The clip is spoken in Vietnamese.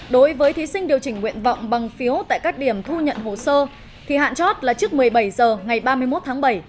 đối với thí sinh điều chỉnh nguyện vọng bằng phiếu tại các điểm thu nhận hồ sơ thì hạn chót là trước một mươi bảy h ngày ba mươi một tháng bảy